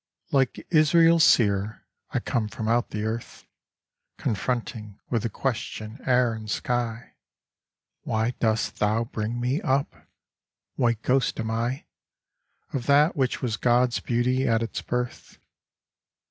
Like Israel's seer I come from out the earth Confronting with the question air and sky, Why dost thou bring me up? White ghost am I Of that which was God's beauty at its birth.